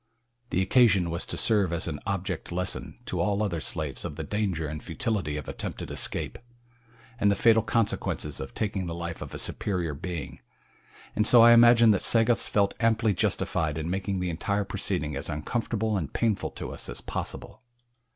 The occasion was to serve as an object lesson to all other slaves of the danger and futility of attempted escape, and the fatal consequences of taking the life of a superior being, and so I imagine that Sagoths felt amply justified in making the entire proceeding as uncomfortable and painful to us as possible.